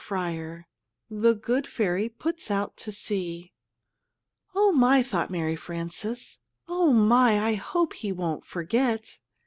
II THE GOOD FERRY PUTS OUT TO SEA "OH, my," thought Mary Frances; "oh, my, I hope he won't forget!"